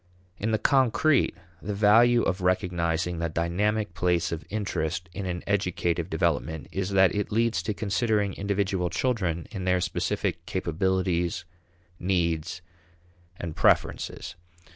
In the concrete, the value of recognizing the dynamic place of interest in an educative development is that it leads to considering individual children in their specific capabilities, needs, and preferences.